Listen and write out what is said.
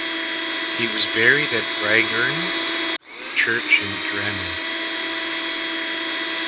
He was buried at Bragernes Church in Drammen.